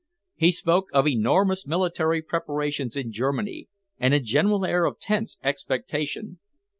He spoke of enormous military preparations in Germany and a general air of tense expectation.